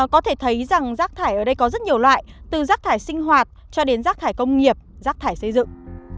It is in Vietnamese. có thể thấy rằng rác thải ở đây có rất nhiều loại từ rác thải sinh hoạt cho đến rác thải công nghiệp rác thải xây dựng